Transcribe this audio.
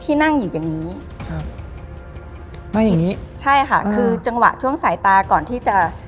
ที่นั่งอยู่อย่างงี้ครับมาอย่างงี้ใช่ค่ะคือจังหวะช่วงสายตาก่อนที่จะ